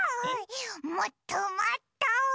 もっともっと！